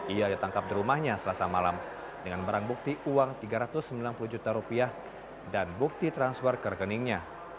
ia ditangkap di rumahnya selasa malam dengan barang bukti uang tiga ratus sembilan puluh juta rupiah dan bukti transfer ke rekeningnya